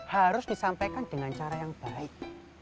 harus disampaikan dengan cara yang baik